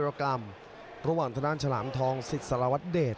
ทางต่อด้านสลามทอล์สิทธิ์สลวัตเรศ